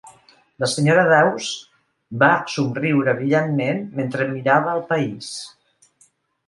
La senyora Dawes va somriure brillantment mentre mirava el país.